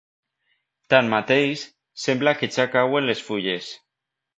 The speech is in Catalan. Tan mateix, sembla que ja cauen les fulles.